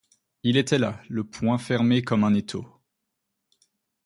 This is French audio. Il était là, le poing fermé comme un étau